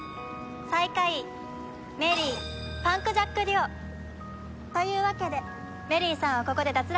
最下位メリーパンクジャックデュオ。というわけでメリーさんはここで脱落です。